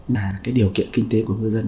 là cái điều kiện kinh tế của ngư dân